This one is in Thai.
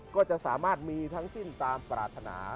ก็จะสามารถมีทั้งสิ้นตามปรารถนา